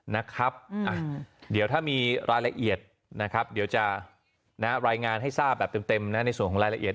นะครับเดี๋ยวถ้ามีรายละเอียดนะครับเดี๋ยวจะรายงานให้ทราบแบบเต็มนะในส่วนของรายละเอียด